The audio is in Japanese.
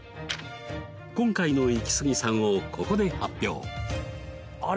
今回のイキスギさんをここで発表あれ？